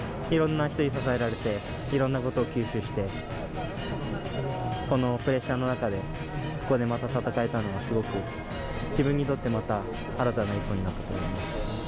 いろんな人に支えられて、いろんなことを吸収して、このプレッシャーの中で、ここでまた戦えたのは、すごく自分にとってまた新たな一歩になったと思います。